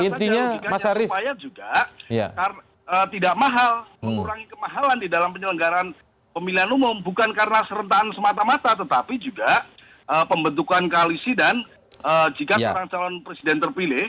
intinya mas arief tidak mahal mengurangi kemahalan di dalam penyelenggaraan pemilihan umum bukan karena serentak semata mata tetapi juga pembentukan koalisi dan jika terang calon presiden terpilih